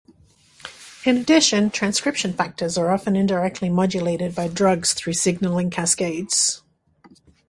In addition, transcription factors are often indirectly modulated by drugs through signaling cascades.